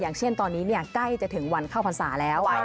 อย่างเช่นตอนนี้ใกล้จะถึงวันเข้าพรรษาแล้ว